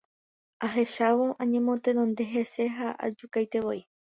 Ahechávo añemotenonde hese ha ajukaitevoi.